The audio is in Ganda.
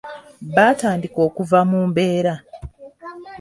Baatandika okuva mu mbeera.